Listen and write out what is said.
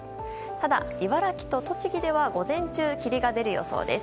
ただ、茨城と栃木では午前中、霧が出る予想です。